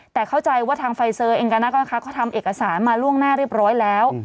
แต่เข้าใจว่าทางไฟเซอร์เองก็ทำเอกสารมาล่วงหน้าเรียบร้อยแล้ว